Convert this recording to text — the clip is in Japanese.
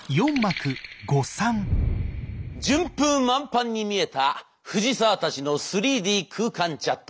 順風満帆に見えた藤沢たちの３Ｄ空間チャット。